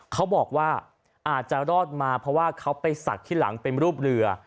เขาบอกว่าอาจจะรอดมาเพราะว่าเขาไปศักดิ์ที่หลังเป็นรูปเรือ